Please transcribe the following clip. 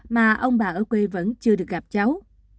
mà ông bà ở quê vẫn chưa được gặp cháu